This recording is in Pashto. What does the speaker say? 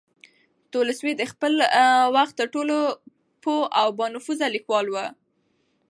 تولستوی د خپل وخت تر ټولو پوه او با نفوذه لیکوال و.